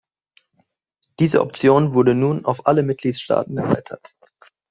Diese Option wurde nun auf alle Mitgliedstaaten erweitert.